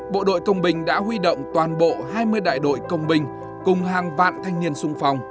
bộ đội công binh đã huy động toàn bộ hai mươi đại đội công binh cùng hàng vạn thanh niên sung phong